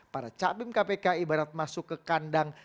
para capim kpk ibarat masuk ke kandang